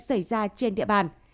xảy ra trên địa bàn